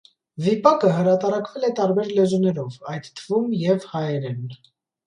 Վիպակը հրատարակվել է տարբեր լեզուներով, այդ թվում և հայերեն։